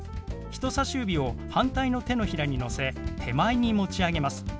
人さし指を反対の手のひらにのせ手前に持ち上げます。